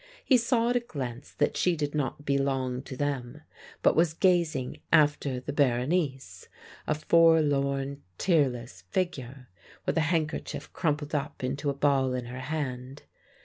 He saw at a glance that she did not belong to them, but was gazing after the Berenice; a forlorn, tearless figure, with a handkerchief crumpled up into a ball in her hand.